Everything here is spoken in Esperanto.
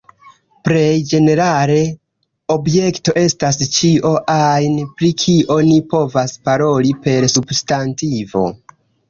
Plej ĝenerale, objekto estas ĉio ajn, pri kio ni povas paroli per substantivo.